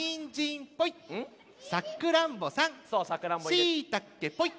「しいたけポイッ」。